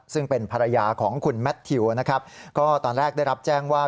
ซึ่งเป็นภรรยาของคุณแมททิวนะครับก็ตอนแรกได้รับแจ้งว่า